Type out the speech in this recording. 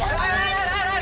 ayuh jangan rizky jangan